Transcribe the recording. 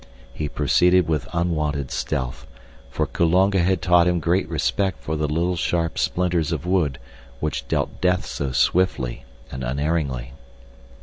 He proceeded with unwonted stealth, for Kulonga had taught him great respect for the little sharp splinters of wood which dealt death so swiftly and unerringly.